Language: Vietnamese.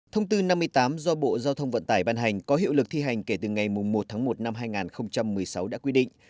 thông tư năm mươi tám do bộ giao thông vận tải ban hành có hiệu lực thi hành kể từ ngày một tháng một năm hai nghìn một mươi sáu đã quy định